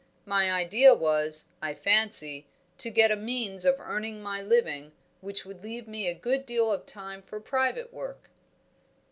"My idea was, I fancy, to get a means of earning my living which would leave me a good deal of time for private work."